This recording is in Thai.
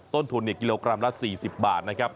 ต้นทุนกิโลกรัมละ๔๐บาทนะครับ